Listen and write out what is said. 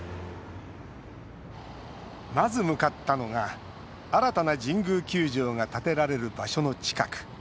まず向かったのが新たな神宮球場が建てられる場所の近く。